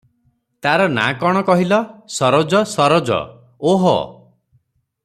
"ତାରନାଁ କଣ କହିଲ- ସରୋଜ- ସରୋଜ ।' ଓହୋ!